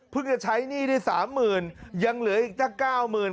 จะใช้หนี้ได้สามหมื่นยังเหลืออีกตั้งเก้าหมื่น